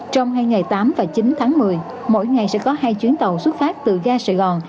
trong hai ngày tám và chín tháng một mươi mỗi ngày sẽ có hai chuyến tàu xuất phát từ ga sài gòn